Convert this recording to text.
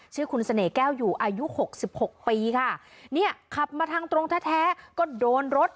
ชื่อคุณเสน่ห์แก้วอยู่อายุหกสิบหกปีค่ะเนี่ยขับมาทางตรงแท้แท้ก็โดนรถ